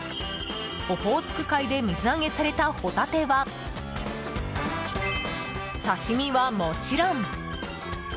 オホーツク海で水揚げされたホタテは刺し身はもちろん。